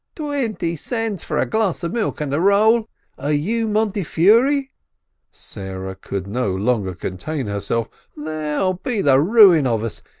"Twenty cents for a glass of milk and a roll? Are you Montefiore?" Sarah could no longer contain her self. "They'll be the ruin of us!